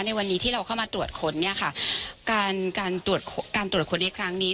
ในวันนี้ที่เราเข้ามาตรวจค้นเนี่ยค่ะการการตรวจการตรวจค้นในครั้งนี้